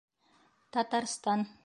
Татарстан